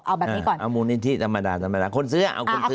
เอาแบบนี้ก่อนเอามุมนิที่ธรรมดาคนซื้อเอาคนซื้อ